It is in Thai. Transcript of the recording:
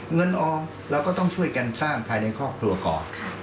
เงินออมเราก็ต้องช่วยกันสร้างภายในครอบครัวก่อน